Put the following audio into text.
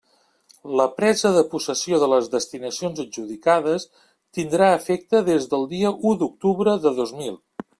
La presa de possessió de les destinacions adjudicades tindrà efecte des del dia u d'octubre de dos mil.